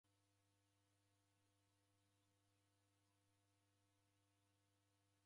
Maofisaa w'amu w'abaa w'efungwa.